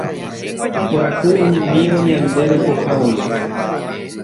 Kuarahy oñemívo ñande rekohágui